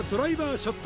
ショット